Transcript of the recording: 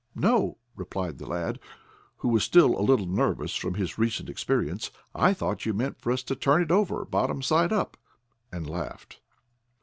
"No," replied the lad, who was still a little nervous from his recent experience. "I thought you meant for us to turn it over, bottom side up," and he laughed.